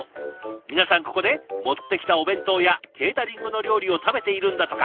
皆さんここで持ってきたお弁当やケータリングの料理を食べているんだとか。